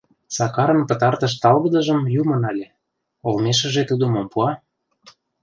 Сакарын пытартыш талгыдыжым юмо нале, олмешыже тудо мом пуа?